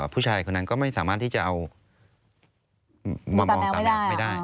ผู้ชายคนนั้นก็ไม่สามารถที่จะเอามามองตารางไม่ได้